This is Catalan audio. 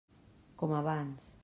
Com abans.